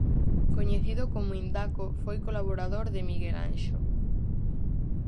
Coñecido como Indaco, foi colaborador de Miguel Anxo.